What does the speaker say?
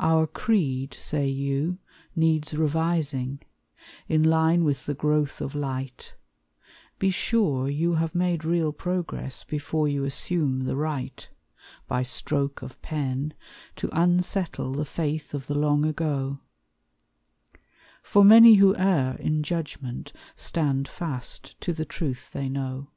Our creed, say you, needs revising, In line with the growth of light; Be sure you have made real progress Before you assume the right, By stroke of pen, to unsettle The faith of the long ago; For many who err in judgment Stand fast to the truth they know.